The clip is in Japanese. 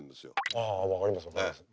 ああ分かります分かります。